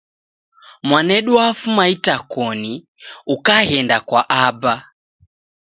Mwanedu wafuma itakoni ukaghenda kwa aba